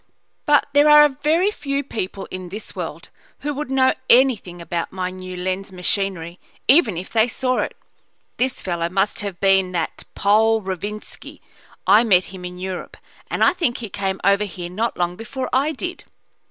But there are very few people in this world who would know anything about my new lens machinery even if they saw it. This fellow must have been that Pole, Rovinski. I met him in Europe, and I think he came over here not long before I did."